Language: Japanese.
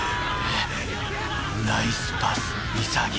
ナイスパス潔。